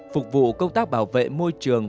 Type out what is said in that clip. phục vụ công tác bảo vệ môi trường